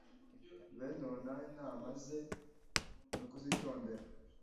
Bene uwo nawe inama ze nukuzitondera